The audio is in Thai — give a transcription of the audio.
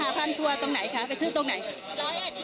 ไหนไหนได้สวยังยังค่ะยังไม่ได้สัวคนนี้ยังไม่ได้สัวค่ะ